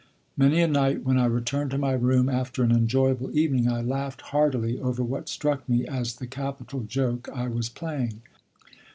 Many a night when I returned to my room after an enjoyable evening, I laughed heartily over what struck me as the capital joke I was playing.